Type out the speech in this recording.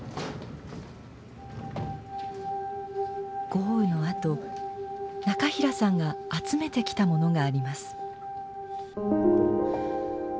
豪雨のあと中平さんが集めてきたものがあります。